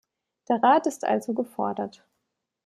Der Rat ist also gefordert.